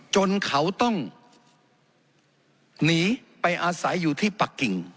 จนเขาต้องหนีไปอาศัยอยู่ที่ปะกิ่ง